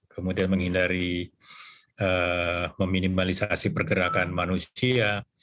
kemudian menghindari meminimalisasi pergerakan manusia